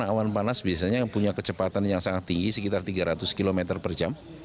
awan panas biasanya punya kecepatan yang sangat tinggi sekitar tiga ratus km per jam